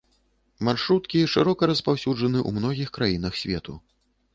Маршруткі шырока распаўсюджаны ў многіх краінах свету.